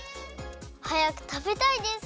はやくたべたいです。